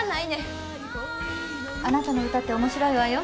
あなたの歌って面白いわよ。